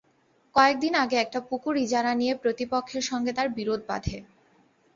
কয়েক দিন আগে একটি পুকুর ইজারা নিয়ে প্রতিপক্ষের সঙ্গে তার বিরোধ বাধে।